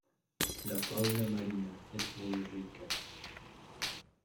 La fauna marina es muy rica.